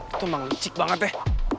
itu memang licik banget deh